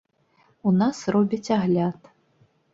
У нас робяць агляд.